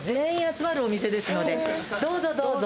どうぞどうぞ。